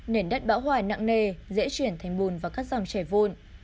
nền đất bão hòa nặng nề dễ chuyển thành bùn và các dòng chảy vụn